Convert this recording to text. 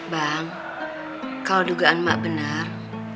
bang kalau dugaan ma benar